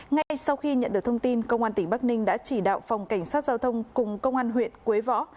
ngay sau khi nhận được thông tin công an tỉnh bắc ninh đã chỉ đạo phòng cảnh sát giao thông cùng công an huyện quế võ